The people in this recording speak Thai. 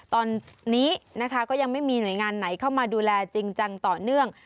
ตอนนี้นะคะก็ยังไม่มีหน่วยงานไหนเข้ามาดูแลจริงจังต่อเนื่อง